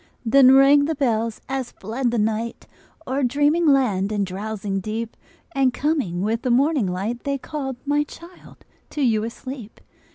Then rang the bells as fled the night O'er dreaming land and drowsing deep, And coming with the morning light, They called, my child, to you asleep.